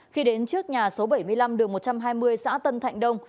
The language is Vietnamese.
khi đến trước nhà số bảy mươi năm đường một trăm hai mươi xã tân thạnh đông